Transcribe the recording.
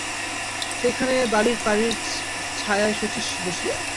সেইখানে বালির পাড়ির ছায়ায় শচীশ বসিয়া।